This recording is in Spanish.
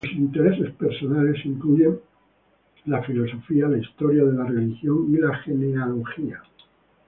Sus intereses personales incluyen la filosofía, la historia de la religión y la genealogía.